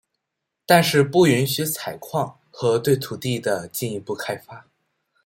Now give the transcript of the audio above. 但是不允许采矿和对土地的进一步开发。